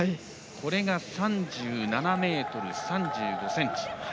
これが３７ｍ３５ｃｍ。